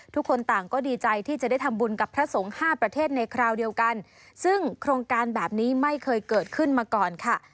ทุกคนต่างก็ดีใจที่จะได้ทำบุญกับพระสงฆ์ห้าประเทศในคราวเดียวกันซึ่งโครงการแบบนี้ไม่เคยเกิดขึ้นมาก่อนค่ะ